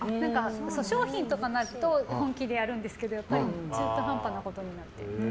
商品とかになると本気でやるんですけど中途半端なことになって。